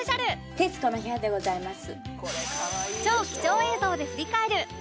『徹子の部屋』でございます。